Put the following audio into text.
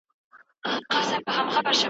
د ننگرهار لپاره هار غواړې